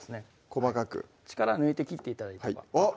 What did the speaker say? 細かく力抜いて切って頂ければあっ！